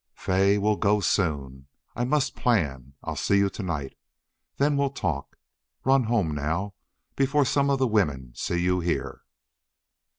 "Fay, we'll go soon. I must plan. I'll see you to night. Then we'll talk. Run home now, before some of the women see you here."